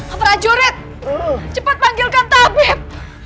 abrajo red cepat panggilkan tabib